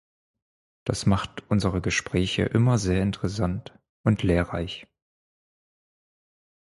Das macht unsere Gespräche immer sehr interessant und lehrreich.